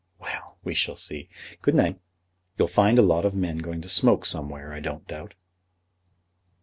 "Well; we shall see. Good night. You'll find a lot of men going to smoke somewhere, I don't doubt."